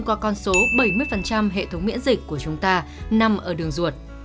qua con số bảy mươi hệ thống miễn dịch của chúng ta nằm ở đường ruột